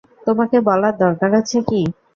তোমাকে বলার দরকার আছে কি?